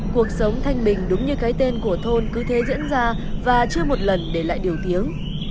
cuộc sống thanh bình đúng như cái tên của thôn cứ thế diễn ra và chưa một lần để lại điều tiếng